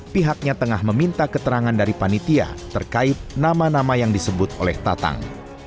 pihaknya tengah meminta keterangan dari panitia terkait nama nama yang disebut oleh tatang